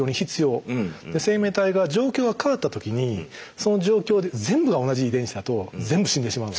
生命体が状況が変わった時にその状況で全部が同じ遺伝子だと全部死んでしまうので。